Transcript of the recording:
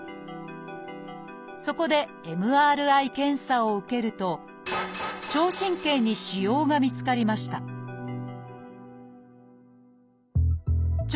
そこでＭＲＩ検査を受けると聴神経に腫瘍が見つかりました聴